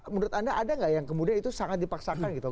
menurut anda ada nggak yang kemudian itu sangat dipaksakan gitu